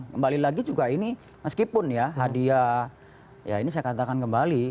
kembali lagi juga ini meskipun ya hadiah ya ini saya katakan kembali